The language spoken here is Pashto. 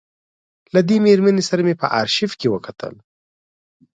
له دې مېرمنې سره مې په آرشیف کې وکتل.